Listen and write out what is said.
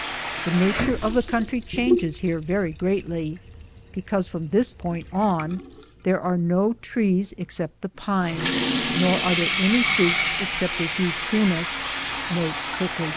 The nature of the country changes here very greatly, because from this point on there are no trees except the pine, nor are there any fruits except a few tunas,* mesquites,' and pitahayas.'